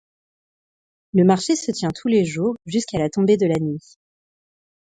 Le marché se tient tous les jours jusqu'à la tombée de la nuit.